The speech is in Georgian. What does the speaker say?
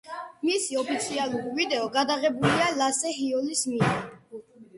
მისი ოფიციალური ვიდეო გადაღებულია ლასე ჰოილის მიერ.